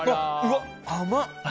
甘っ！